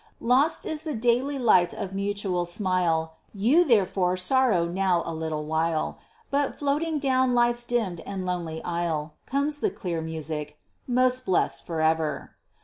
Lost is the daily light of mutual smile, You therefore sorrow now a little while; But floating down life's dimmed and lonely aisle Comes the clear music: 'Most blessed for ever!'